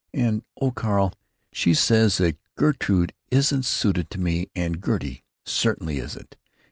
And, oh, Carl, she says that 'Gertrude' isn't suited to me (and 'Gertie' certainly isn't!)